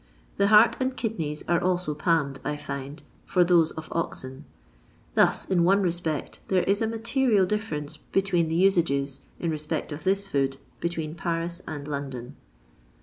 The heart and kidneys are also palmed, I find, for those of oxen I I Thus, in one respect, there is a material difference between the usages, in respect of this food, between Paris and London.